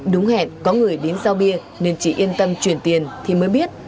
đúng hẹn có người đến giao bia nên chị yên tâm chuyển tiền thì mới biết